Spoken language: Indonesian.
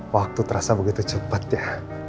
waktu terasa begitu cepat ya